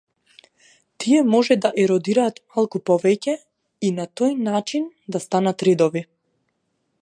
Тие може да еродираат малку повеќе и, на тој начин, да станат ридови.